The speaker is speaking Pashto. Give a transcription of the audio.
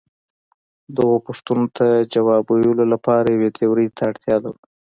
دغو پوښتنو ته ځواب ویلو لپاره یوې تیورۍ ته اړتیا لرو.